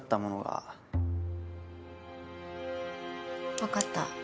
わかった。